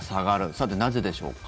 さて、なぜでしょうか？